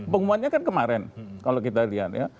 pengumumannya kan kemarin kalau kita lihat ya